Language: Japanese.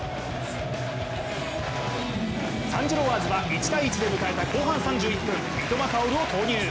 サンジロワーズは１−１で迎えた後半３１分、三笘薫を投入。